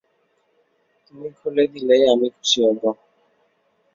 তুমি খুলে দিলেই আমি খুশি হবো।